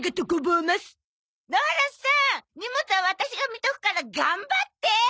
荷物はワタシが見とくから頑張って！